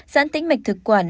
giãn tĩnh mạch thực quản